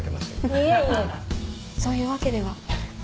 いえいえそういうわけでは。